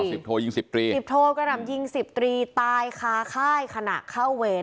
สิบโทยิงสิบตรีสิบโทกระหน่ำยิงสิบตรีตายคาค่ายขณะเข้าเวร